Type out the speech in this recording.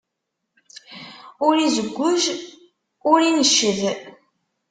Ur izewweǧ, ur inecced.